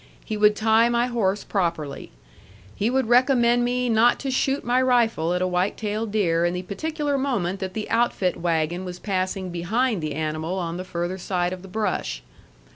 He would tie my horse properly. He would recommend me not to shoot my rifle at a white tailed deer in the particular moment that the outfit wagon was passing behind the animal on the further side of the brush.